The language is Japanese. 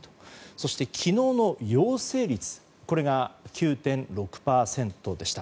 そして昨日の陽性率が９．６％でした。